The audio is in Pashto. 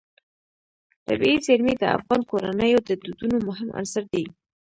طبیعي زیرمې د افغان کورنیو د دودونو مهم عنصر دی.